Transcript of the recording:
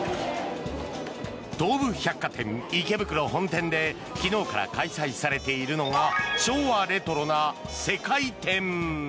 東武百貨店池袋本店で昨日から開催されているのが昭和レトロな世界展。